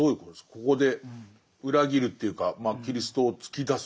ここで裏切るというかまあキリストを突き出す。